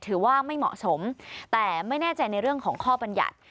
ถือว่าไม่เหมาะสมแต่ไม่แน่ใจในเรื่องของข้อบรรยัติ